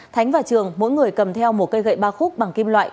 thánh và trường mỗi người cầm theo một cây gậy ba khúc bằng kim loại